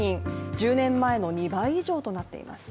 １０年前の２倍以上となっています。